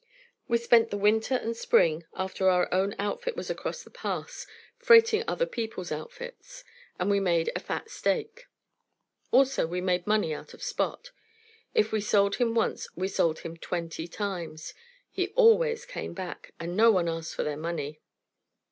We spent the winter and spring, after our own outfit was across the pass, freighting other people's outfits; and we made a fat stake. Also, we made money out of Spot. If we sold him once, we sold him twenty times. He always came back, and no one asked for their money.